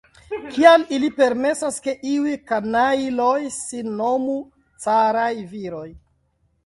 Kial ili permesas, ke iuj kanajloj sin nomu caraj viroj?